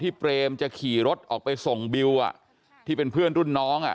เปรมจะขี่รถออกไปส่งบิวอ่ะที่เป็นเพื่อนรุ่นน้องอ่ะ